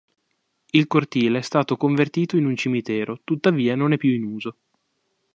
Il cortile è stato convertito in un cimitero, tuttavia non è più in uso.